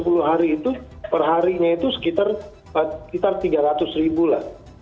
jadi harga itu per harinya itu sekitar tiga ratus ribu lah